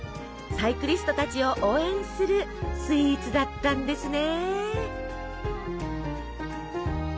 サイクリストたちを応援するスイーツだったんですね。